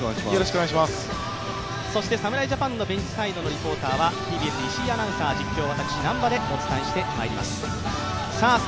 そして侍ジャパンのベンチサイドのリポーターはＴＢＳ石井アナウンサー、実況は南波でお送りしてまいります。